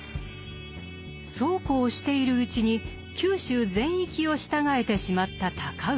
そうこうしているうちに九州全域を従えてしまった尊氏。